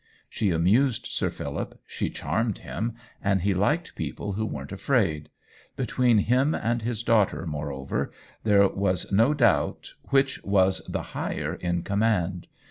She amused Sir Philip, she charmed him, and he liked people who weren't afraid ; be tween him and his daughter, moreover, there was no doubt which was the higher in com mand.